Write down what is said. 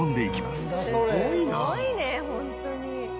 すごいねホントに。